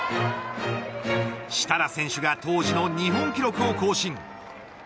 設楽選手が当時の日本記録を更新。